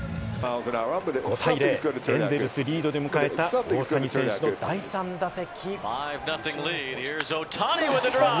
５対０でエンゼルスリードで迎えた大谷選手の第３打席。